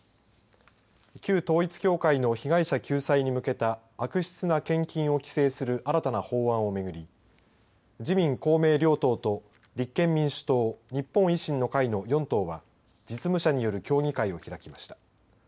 旧統一教会の被害者救済に向けた悪質な献金を規制する新たな法案を巡り自民・公明両党と立憲民主党日本維新の会の４党は実務者による協議会を開きました。